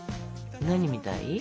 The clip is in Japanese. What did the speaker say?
何みたい？